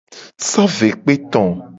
So ve kpe to.